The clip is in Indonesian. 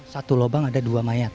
satu lubang ada dua mayat